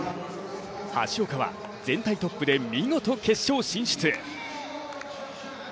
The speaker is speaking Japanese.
橋岡は全体トップで見事決勝進出。